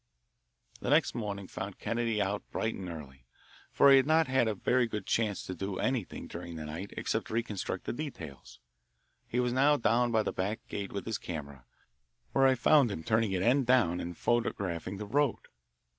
The next morning found Kennedy out bright and early, for he had not had a very good chance to do anything during the night except reconstruct the details. He was now down by the back gate with his camera, where I found him turning it end down and photographing the road.